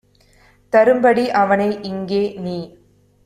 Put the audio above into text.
தரும்படி அவனை இங்கே - நீ